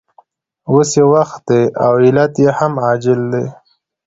اوس یې وخت دی او علت یې هم عاجل دی